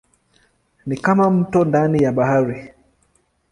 Ni kama mto ndani ya bahari.